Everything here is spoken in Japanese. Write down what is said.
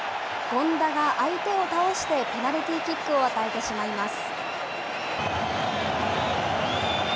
権田が相手を倒して、ペナルティーキックを与えてしまいます。